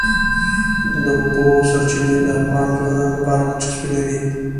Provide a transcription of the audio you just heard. د اوبو سرچینې د افغان ځوانانو لپاره دلچسپي لري.